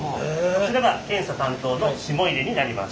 こちらが検査担当の霜出になります。